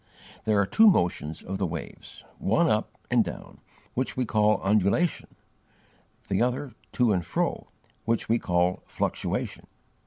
There are two motions of the waves one up and down, which we call undulation, the other to and fro, which we call fluctuation.